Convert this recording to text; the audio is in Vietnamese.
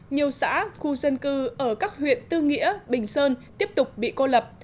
nhiều xã khu dân cư ở các huyện tư nghĩa bình sơn tiếp tục bị cô lập